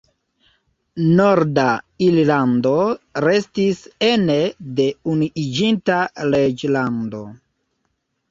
Norda Irlando restis ene de Unuiĝinta Reĝlando.